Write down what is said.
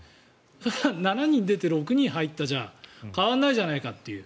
それは７人出て、６人入ったら変わらないじゃないかという。